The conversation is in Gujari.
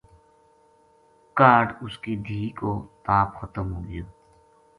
کاہڈ اس کی دھی کو تاپ ختم ہو گیو